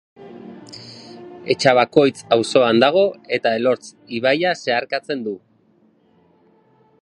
Etxabakoitz auzoan dago eta Elortz ibaia zeharkatzen du.